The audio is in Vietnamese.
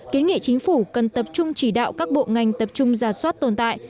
kiến nghị chính phủ cần tập trung chỉ đạo các bộ ngành tập trung giả soát tồn tại